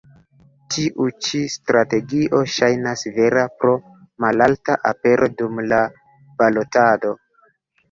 Tiu ĉi strategio ŝajnas vera pro malalta apero dum la balotado.